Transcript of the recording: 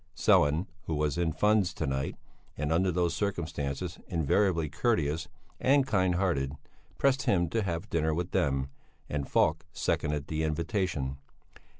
Sellén, who was in funds to night, and under those circumstances invariably courteous and kind hearted, pressed him to have dinner with them, and Falk seconded the invitation.